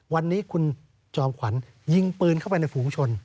วันนี้คุณจอมขวัญยิงปืนเข้าไปในฝูงชน